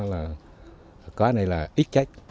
có cái này là ít trách